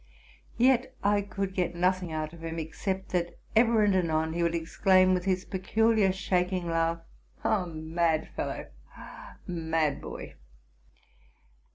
Yet I could get nothing out of him, except that ever and anon he would exclaim with his peculiar, shaking laugh, '' Ah! mad fellow! ah! mad boy